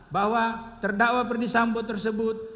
bahwa terdakwa perdisambo tersebut